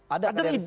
ada kader itu